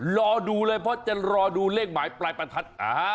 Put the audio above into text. รอดูเลยเพราะจะรอดูเลขหมายปลายประทัด